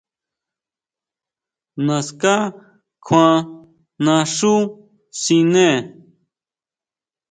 Naská kjuan naxú siné.